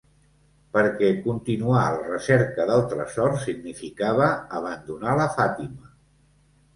Perquè continuar la recerca del tresor significava abandonar la Fàtima.